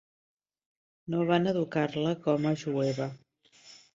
No van educar-la com a jueva.